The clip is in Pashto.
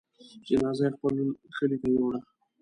جنازه يې خپل کلي ته يووړه.